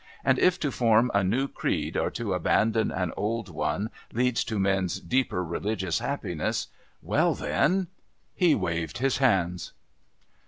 And if to form a new creed or to abandon an old one leads to men's deeper religious happiness, well, then...." He waved his hands.